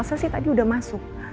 elsa sih tadi udah masuk